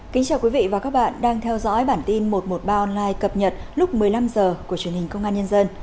kính chào quý vị và các bạn đang theo dõi bản tin một trăm một mươi ba online cập nhật lúc một mươi năm h của truyền hình công an nhân dân